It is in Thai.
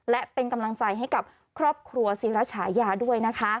และเป็นกำลังใจให้กับครอบครัวสิรัชญาญาด้วย